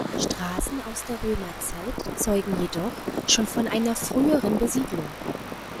Straßen aus der Römerzeit zeugen jedoch schon von einer früheren Besiedlung.